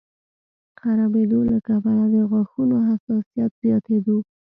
خرابېدو له کبله د غاښونو حساسیت زیاتېدو